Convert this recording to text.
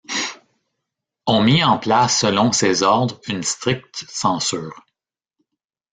On mit en place selon ses ordres une stricte censure.